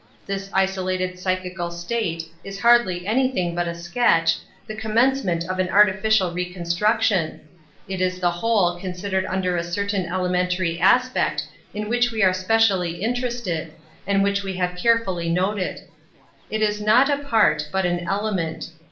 This isolated psychical state is hardly anything but a sketch, the com mencement of an artificial reconstruction; it is the whole considered under a certain elementary aspect in which we are specially interested and which we have carefully noted. It is not a part, but an element.